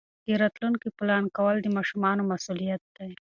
د راتلونکي پلان کول د ماشومانو مسؤلیت دی.